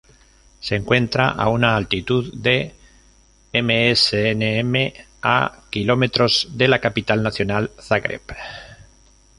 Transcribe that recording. Se encuentra a una altitud de msnm a km de la capital nacional, Zagreb.